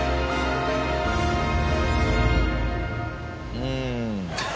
うん。